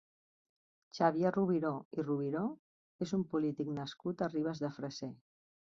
Xavier Robiró i Robiró és un polític nascut a Ribes de Freser.